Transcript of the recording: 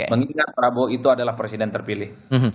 mengingat prabowo itu adalah presiden terpilih